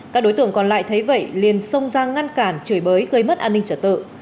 các đối tượng còn lại thấy vậy liền sông giang ngăn cản trời bới gây mất an ninh trở tự